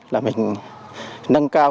là mình nâng cao